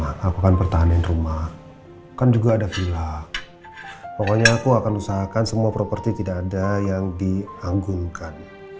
aku akan pertahankan rumah kan juga ada villa pokoknya aku akan usahakan semua properti tidak ada yang dianggungkan